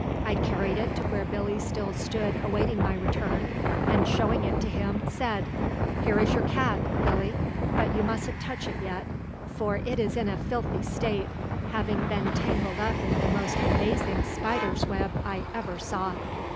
I carried it to where Billy still stood awaiting my return and, showing it to him, said: "Here is your `cat', Billy; but you mustn't touch it yet, for it is in a filthy state, having been tangled up in the most amazing spider's web I ever saw."